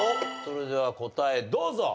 それでは答えどうぞ。